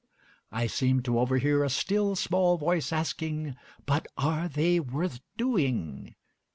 I seem to overhear a still, small voice asking, But are they worth doing?